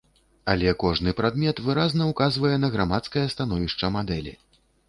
Але кожны прадмет выразна ўказвае на грамадскае становішча мадэлі.